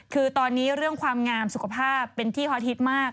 คือตอนนี้เรื่องความงามสุขภาพเป็นที่ฮอตฮิตมาก